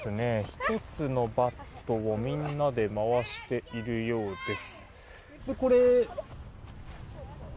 １つのバットをみんなで回しているようです。